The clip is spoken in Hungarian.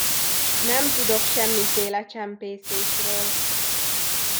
Nem tudok semmiféle csempészésről!